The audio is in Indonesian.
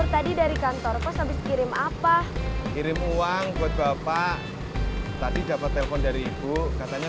tadi dari kantor kos habis kirim apa kirim uang buat bapak tadi dapat telpon dari ibu katanya